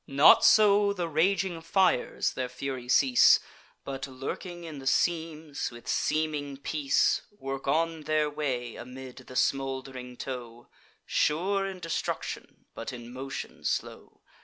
Not so the raging fires their fury cease, But, lurking in the seams, with seeming peace, Work on their way amid the smould'ring tow, Sure in destruction, but in motion slow.